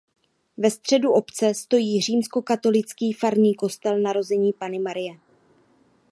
Ve středu obce stojí římskokatolický farní kostel narození Panny Marie.